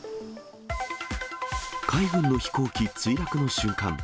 海軍の飛行機墜落の瞬間。